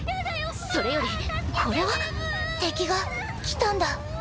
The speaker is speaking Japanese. それよりこれは？敵が来たんだ。